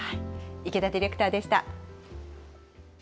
池田ディレクターでした。